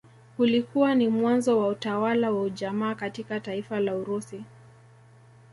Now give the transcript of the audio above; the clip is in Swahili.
Ulikuwa ni mwanzo wa utawala wa ujamaa katika taifa la Urusi